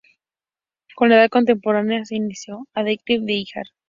Con la Edad Contemporánea se inició el declive de Híjar.